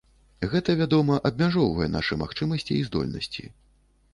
Гэта, вядома, абмяжоўвае нашы магчымасці і здольнасці.